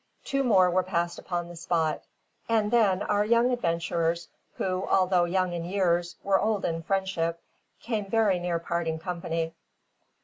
Two more were passed upon the spot, and then our young adventurers, who, although young in years, were old in friendship, came very near parting company.